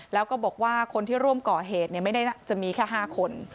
แล้วก็บอกว่าคนที่ร่วมก่อเหตุไม่ได้จะมีแค่๕คน